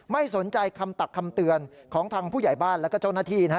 ไม่สนใจคำตักคำเตือนของทางผู้ใหญ่บ้านแล้วก็เจ้าหน้าที่นะฮะ